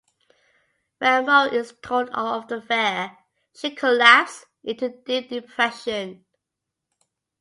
When Muriel is told of the affair, she collapses into deep depression.